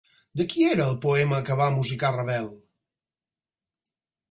De qui era el poema que va musicar Ravel?